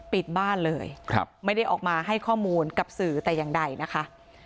ปิดบ้านเลยไม่ได้ออกมาให้ข้อมูลกับสื่อแต่อย่างใดนะคะ